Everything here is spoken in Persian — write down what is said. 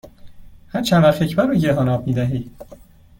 هر چند وقت یک بار به گیاهان آب می دهی؟